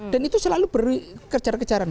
dan itu selalu berkejar kejaran